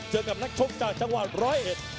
เจอกับนักชกจากจังหวัดร้อยเอ็ด